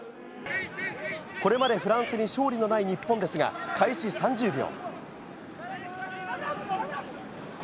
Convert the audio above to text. これまでフランスに勝利のない日本ですが開始３０秒。